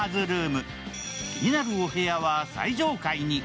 気になるお部屋は最上階に。